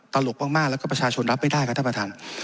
ตลกมากแล้วก็ประชาชนรับไม่ได้ครับท่านประธาน